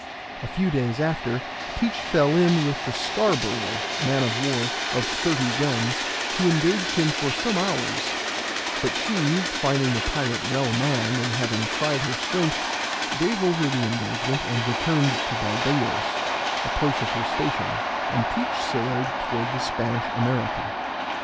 A few days after Teach fell in with the Scarborough, man of war, of thirty guns, who engaged him for some hours; but she, finding the pirate well manned, and having tried her strength, gave over the engagement and returned to Barbadoes, the place of her station, and Teach sailed towards the Spanish America.